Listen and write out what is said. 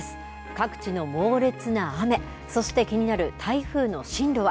各地の猛烈な雨、そして、気になる台風の進路は。